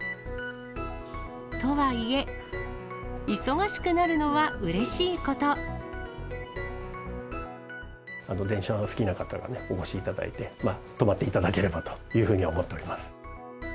とはいえ、電車の好きな方がお越しいただいて、泊まっていただければというふうに思っております。